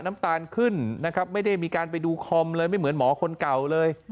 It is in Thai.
น้ำตาลขึ้นนะครับไม่ได้มีการไปดูคอมเลยไม่เหมือนหมอคนเก่าเลย